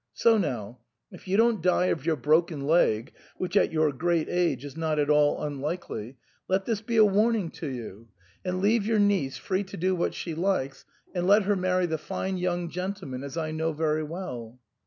So now, if you don't die of your broken leg, which at your great age is not at all un S/CNOJ^ FORMICA. 109 likely, let this be a warning to you ; and leave your niece free to do what she likes, and let her marry the fine young gentleman as I know very well."